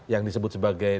yang disebut sebagai